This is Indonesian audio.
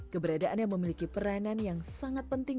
keberadaan yang memiliki peranan yang sangat penting